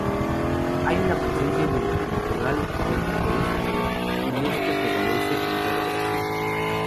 Hay una presencia multicultural dentro de esta ciudad, y esto prevalece en todo Brasil.